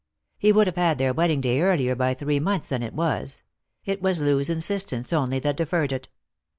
He would have had their wedding day earlier by three months than it was; it was Loo's insistance only that deferred it.